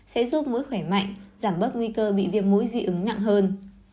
sẽ giúp mũi khỏe mạnh giảm bớt nguy cơ bị viêm mũi dị ứng nặng hơn